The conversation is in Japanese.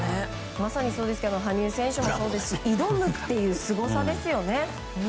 まさに羽生選手もそうですし挑むというすごさですよね。